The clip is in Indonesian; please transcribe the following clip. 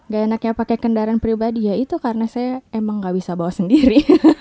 gak enaknya pakai kendaraan pribadi ya itu karena saya emang gak bisa bawa sendiri